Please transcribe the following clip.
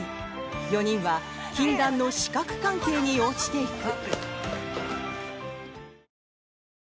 ４人は禁断の四角関係に落ちていく。